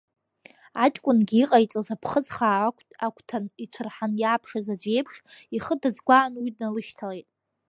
Аҷкәынгьы иҟаиҵоз, аԥхыӡ хаа агәҭан ицәырҳан иааԥшыз аӡә иеиԥш, ихы дазгәаан уи дналышьҭалеит.